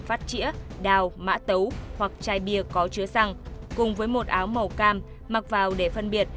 phát chĩa đào mã tấu hoặc chai bia có chứa xăng cùng với một áo màu cam mặc vào để phân biệt